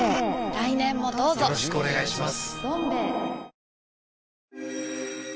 来年もどうぞよろしくお願いします。